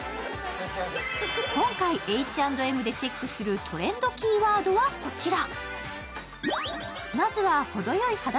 今回、Ｈ＆Ｍでチェックするトレンドキーワードはこちら。